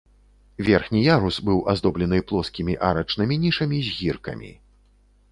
Верхні ярус быў аздоблены плоскімі арачнымі нішамі з гіркамі.